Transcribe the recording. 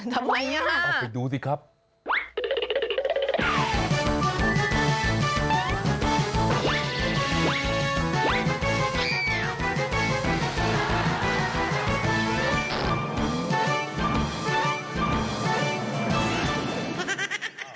ทำไมน่ะครับออกไปดูสิครับทำไมน่ะครับ